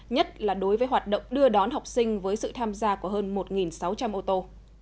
nhất là đối với hoạt động đưa đón học sinh với sự tham gia của hơn một sáu trăm linh ô tô